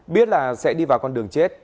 biết là sẽ đi vào con đường chết